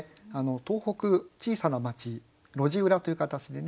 「東北」「小さな町」「路地裏」という形でね